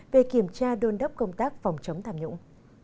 về kiểm tra đôn đốc công tác phòng chống tham nhũng